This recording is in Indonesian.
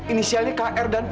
inisialnya k r dan p